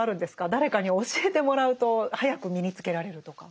誰かに教えてもらうと早く身につけられるとか。